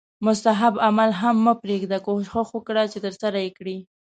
مستحب عمل هم مه پریږده کوښښ وکړه چې ترسره یې کړې